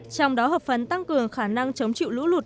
trong đó hợp phần tăng cường khả năng chống chịu lũ lụt